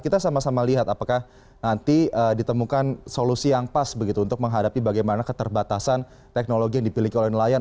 kita sama sama lihat apakah nanti ditemukan solusi yang pas begitu untuk menghadapi bagaimana keterbatasan teknologi yang dipilih oleh nelayan